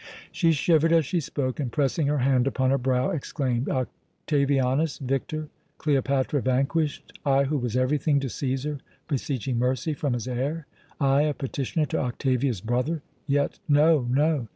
She shivered as she spoke, and pressing her hand upon her brow, exclaimed: "Octavianus victor, Cleopatra vanquished! I, who was everything to Cæsar, beseeching mercy from his heir. I, a petitioner to Octavia's brother! Yet, no, no!